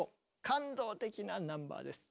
感動的なナンバーです。